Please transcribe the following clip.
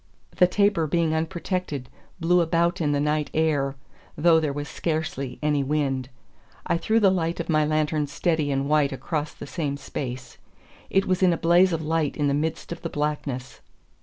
The taper being unprotected blew about in the night air, though there was scarcely any wind. I threw the light of my lantern steady and white across the same space. It was in a blaze of light in the midst of the blackness.